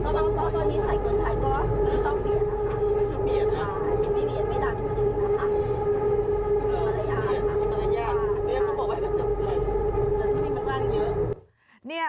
มันบ้านเยอะ